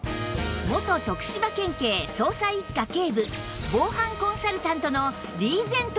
元徳島県警捜査一課警部防犯コンサルタントのリーゼント